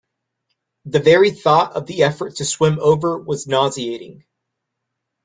The very thought of the effort to swim over was nauseating.